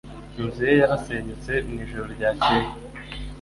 Inzu ye yarasenyutse mu ijoro ryakeye